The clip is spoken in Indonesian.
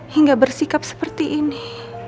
hingga bersikap seperti ini